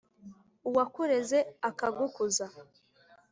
Uwakureze akagukuza